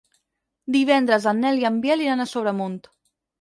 Divendres en Nel i en Biel iran a Sobremunt.